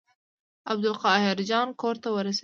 عبدالقاهر جان کور ته ورسېدو.